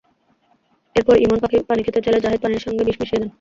এরপর ইমন পানি খেতে চাইলে জাহেদ পানির সঙ্গে বিষ মিশিয়ে দেন।